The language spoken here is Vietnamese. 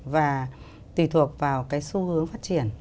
và tùy thuộc vào cái xu hướng phát triển